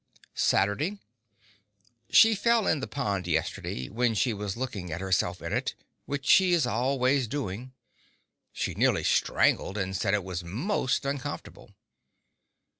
Saturday She fell in the pond yesterday, when she was looking at herself in it, which she is always doing. She nearly strangled, and said it was most uncomfortable.